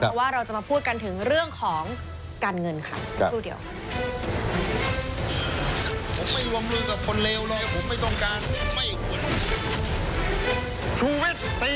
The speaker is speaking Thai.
เพราะว่าเราจะมาพูดกันถึงเรื่องของกันเงินค่ะ